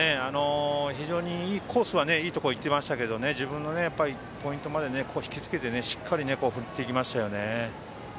非常にコースはいいところへ行っていましたが自分のポイントまで引き付けてしっかり振っていきましたよね。